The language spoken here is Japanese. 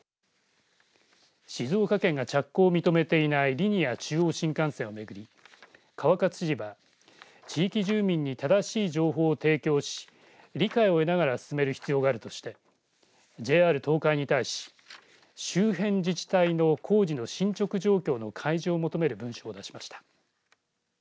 静岡県が着工を認めていないリニア中央新幹線を巡り川勝知事は地域住民に正しい情報を提供し理解を得ながら進める必要があるとしてＪＲ東海に対し周辺自治体の工事の進捗状況の開示を求める文書を出しました。